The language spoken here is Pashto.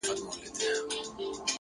اخلاق د انسان ریښتینی لباس دی!